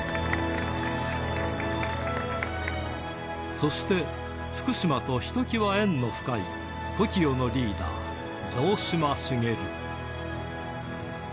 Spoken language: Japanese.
そして、福島とひときわ縁の深いＴＯＫＩＯのリーダー、城島茂。